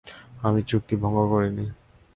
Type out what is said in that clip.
আমি চুক্তি ভঙ্গ করিনি।